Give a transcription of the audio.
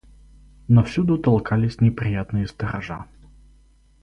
Но всюду толкались неприятные сторожа.